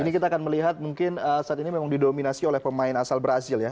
ini kita akan melihat mungkin saat ini memang didominasi oleh pemain asal brazil ya